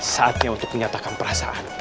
saatnya untuk menyatakan perasaan